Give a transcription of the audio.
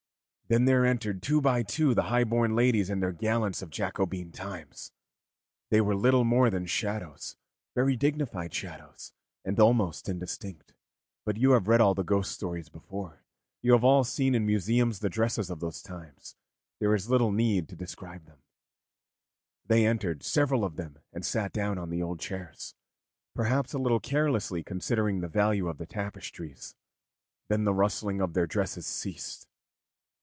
Then there entered two by two the high born ladies and their gallants of Jacobean times. They were little more than shadows very dignified shadows, and almost indistinct; but you have all read ghost stories before, you have all seen in museums the dresses of those times there is little need to describe them; they entered, several of them, and sat down on the old chairs, perhaps a little carelessly considering the value of the tapestries. Then the rustling of their dresses ceased.